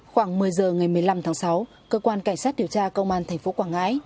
khoảng một mươi h ngày một mươi năm tháng sáu cơ quan cảnh sát điều tra công an tp quảng ngãi